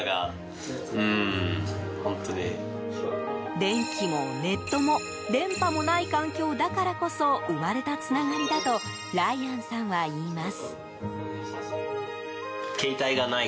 電気も、ネットも電波もない環境だからこそ生まれたつながりだとライアンさんはいいます。